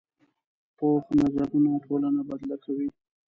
پوخ نظر ټولنه بدله کوي